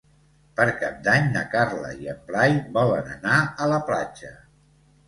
Per Cap d'Any na Carla i en Blai volen anar a la platja.